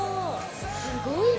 すごいな！